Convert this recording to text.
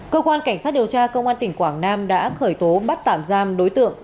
cơ quan cảnh sát điều tra công an tỉnh quảng nam đã khởi tố bắt tạm giam đối tượng